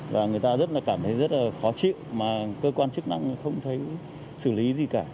và người ta rất là cảm thấy rất là khó chịu mà cơ quan chức năng không thấy xử lý gì cả